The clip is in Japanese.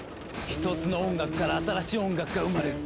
一つの音楽から新しい音楽が生まれる。